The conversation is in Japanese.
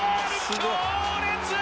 強烈！